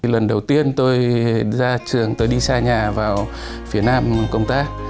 lần đầu tiên tôi ra trường tôi đi xa nhà vào phía nam công tác